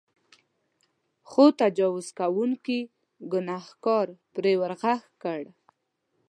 خو تجاوز کوونکي ګنهکار پرې ورغږ کړ.